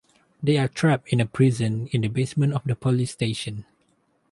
They are trapped in a prison in the basement of the police station.